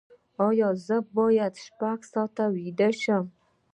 ایا زه باید شپږ ساعته ویده شم؟